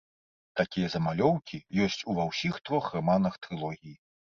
Такія замалёўкі ёсць ува ўсіх трох раманах трылогіі.